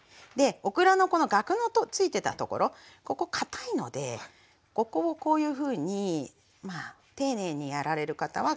オクラのこのガクごとついてたところここかたいのでここをこういうふうに丁寧にやられる方はこうやって削る。